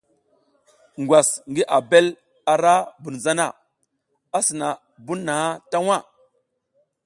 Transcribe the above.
Ngwas ngi abel ara bun zana, a sina na bun na ta waʼa.